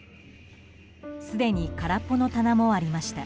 すでに空っぽの棚もありました。